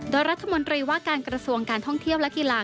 โดยรัฐมนตรีว่าการกระทรวงการท่องเที่ยวและกีฬา